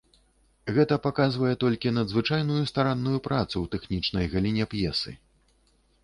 Гэта паказвае толькі надзвычайную старанную працу ў тэхнічнай галіне п'есы.